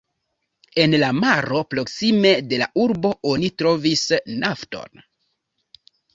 En la maro proksime de la urbo oni trovis nafton.